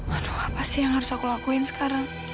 aduh apa sih yang harus aku lakuin sekarang